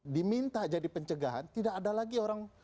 diminta jadi pencegahan tidak ada lagi orang